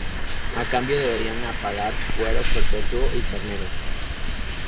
A cambio deberían a pagar fuero perpetuo y carneros.